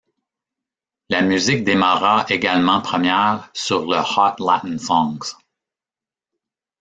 La musique démarra également première sur le Hot Latin Songs.